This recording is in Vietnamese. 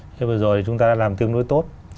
thế vừa rồi chúng ta đã làm tương đối tốt